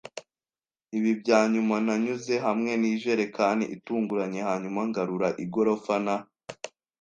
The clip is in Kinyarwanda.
Ibi byanyuma nanyuze hamwe nijerekani itunguranye, hanyuma ngarura igorofa na